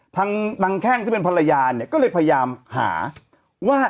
นางแข้งที่เป็นภรรยาเนี่ยก็เลยพยายามหาว่า